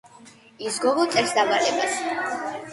ის გოგო წერს დავალებას